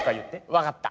分かった。